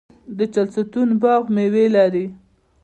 د چهلستون باغ میوې لري.